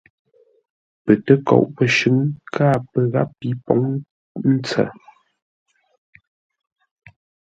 Pə tə́koʼó pəshʉ̌ŋ káa pə́ ngáp pi pǒŋ ə́ ntsə̌.